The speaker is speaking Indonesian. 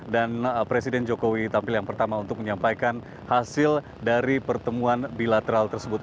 dan presiden jokowi tampil yang pertama untuk menyampaikan hasil dari pertemuan bilateral tersebut